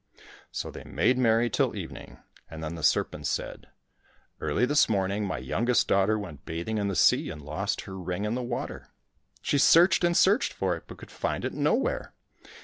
So they made merry till evening, and then the serpent said, " Early this morning, my youngest daughter went bathing in the sea and lost her ring in the water. She searched and searched for it, but could find it nowhere.